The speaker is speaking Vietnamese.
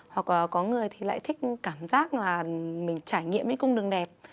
hoặc có người thì lại thích cảm giác là mình trải nghiệm những cung đường đẹp